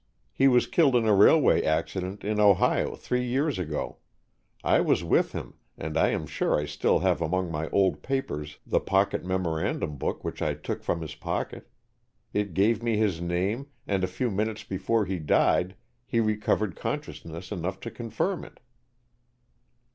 He was killed in a railway accident in Ohio three years ago. I was with him, and I am sure I still have among my old papers the pocket memorandum book which I took from his pocket. It gave me his name, and a few minutes before he died he recovered consciousness enough to confirm it."